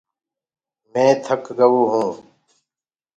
مي ٿڪ گو هون۔